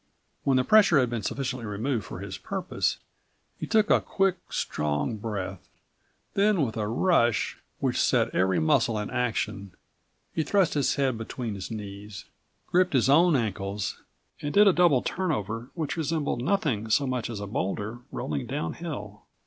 When the pressure had been sufficiently removed for his purpose, he took a quick, strong breath, then with a rush which set every muscle in action, he thrust his head between his knees, gripped his own ankles and did a double turn over which resembled nothing so much as a boulder rolling down hill.